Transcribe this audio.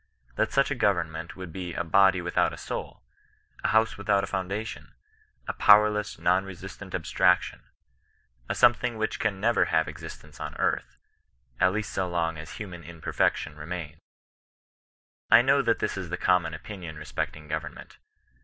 That such a government would be a body without a soul — a house without a foundation — a powerless non resistant abstrac tion ; a something which can never have existence on earth, at least so long as human imperfection remains. I know that this is the common opinion respecting go vernment.